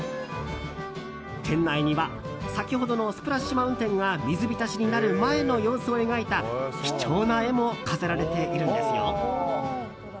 店内には先ほどのスプラッシュ・マウンテンが水浸しになる前の様子を描いた貴重な絵も飾られているんですよ。